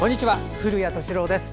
古谷敏郎です。